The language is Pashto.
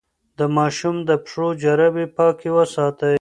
د ماشوم د پښو جرابې پاکې وساتئ.